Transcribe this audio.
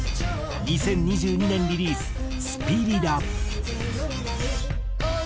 ２０２２年リリース『スピリラ』。